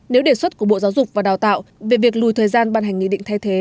nếu đề xuất của bộ giáo dục và đào tạo về việc lùi thời gian ban hành nghị định thay thế